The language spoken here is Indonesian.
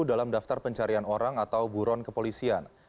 dalam daftar pencarian orang atau buron kepolisian